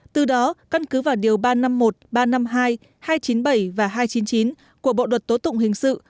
từ đó căn cứ vào điều ba trăm năm mươi một ba trăm năm mươi hai hai trăm chín mươi bảy và hai trăm chín mươi chín của bộ luật tố tụng hình sự